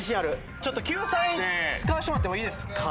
ちょっと救済使わしてもらってもいいですか？